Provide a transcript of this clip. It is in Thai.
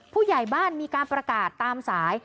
ผู้ใหญ่บ้านมีการประกาศตามสาย